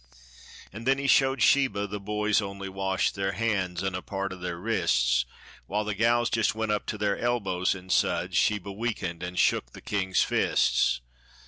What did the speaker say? An' then he showed Sheba the boys only washed Their hands and a part o' their wrists, While the gals jist went up to their elbows in suds. Sheba weakened an' shook the king's fists.